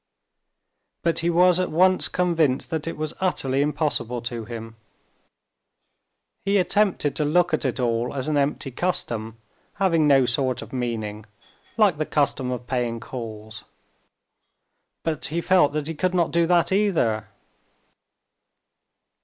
But he was at once convinced that it was utterly impossible to him. He attempted to look at it all as an empty custom, having no sort of meaning, like the custom of paying calls. But he felt that he could not do that either.